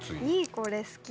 これ好き。